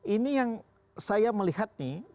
ini yang saya melihat nih